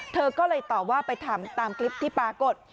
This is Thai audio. เธอก็เลยตอบว่าไปทำตามคลิปที่ปรากฏ